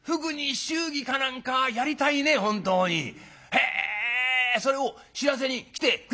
へえそれを知らせに来てくれた？」。